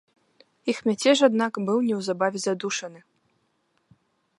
Іх мяцеж, аднак, быў неўзабаве задушаны.